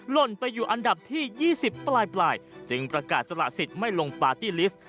ล่นไปอยู่อันดับที่๒๐ปลายจึงประกาศสละสิทธิ์ไม่ลงปาร์ตี้ลิสต์